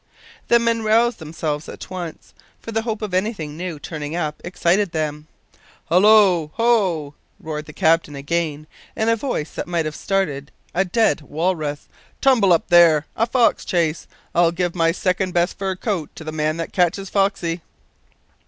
The men roused themselves at once; for the hope of anything new turning up excited them. "Hallo! ho!" roared the captain again, in a voice that might have started a dead walrus. "Tumble up, there! a fox chase! I'll give my second best fur coat to the man that catches foxey!"